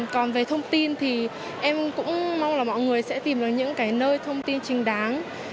còn về thông tin thì em cũng mong là mọi người sẽ tìm được những cái nơi thông tin chính đáng